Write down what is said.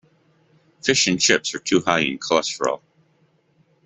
Fish and chips are too high in cholesterol.